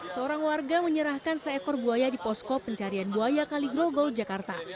seorang warga menyerahkan seekor buaya di posko pencarian buaya kaligrogol jakarta